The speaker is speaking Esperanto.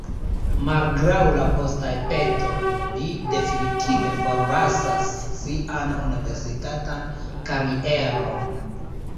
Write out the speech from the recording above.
Malgraŭ la postaj petoj, li definitive forlasas sian universitatan karieron.